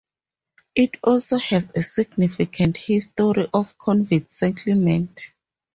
It also has a significant history of convict settlement.